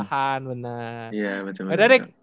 kelahan bener iya bener bener